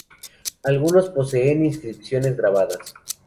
Algunos poseen inscripciones grabadas.